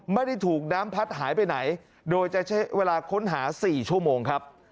ไม่ได้ถูกน้ำพัดหายไปไหนโดยจะใช้เวลาค้นหา๔ชั่วโมงครับ